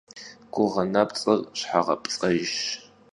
Guğe nepts'ır şheğepts'ejjş.